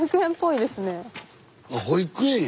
あ保育園や。